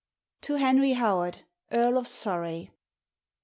_ TO HENRY HOWARD, EARL OF SURREY.